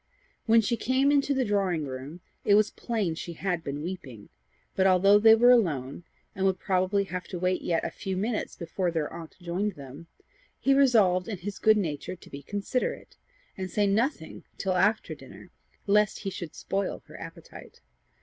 When she came into the drawing room it was plain she had been weeping; but, although they were alone, and would probably have to wait yet a few minutes before their aunt joined them, he resolved in his good nature to be considerate, and say nothing till after dinner, lest he should spoil her appetite.